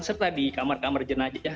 serta di kamar kamar jenajah